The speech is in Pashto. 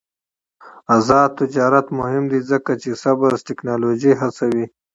آزاد تجارت مهم دی ځکه چې سبز تکنالوژي هڅوي.